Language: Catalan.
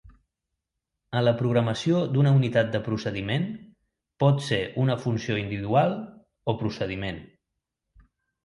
En la programació d'una unitat de procediment pot ser una funció individual o procediment.